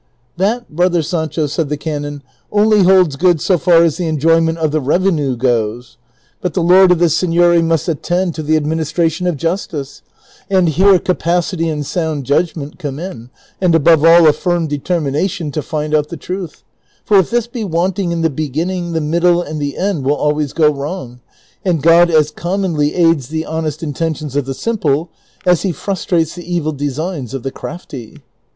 " That, brother Sancho," said the canon, " only holds good as far as the enjoyment of the revenue goes ; but the lord of the seigniory must attend to the administration of justice, and here capacity and sound judgment come in, and above all a firm determination to find out the truth ; for if this be wanting in the beginning, the middle and the end will always go wrong ; and Cxod as commonly aids the honest intentions of the simple as he frustrates the evil designs of the crafty."